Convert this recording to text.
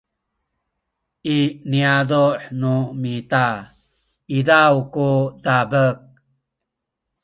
i niyazu’ nu mita izaw ku dabek